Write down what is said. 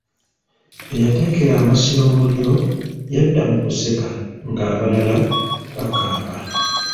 Eyateekera amasiro omuliro yadda mu kuseka ng'abalala bakaaba.